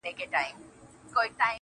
په دومره سپینو کي عجیبه انتخاب کوي